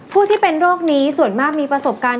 ที่เป็นโรคนี้ส่วนมากมีประสบการณ์